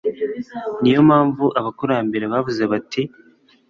niyo mpamvu abakurambere bavuze bati